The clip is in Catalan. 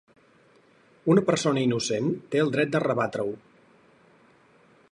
Una persona innocent té el dret de rebatre-ho.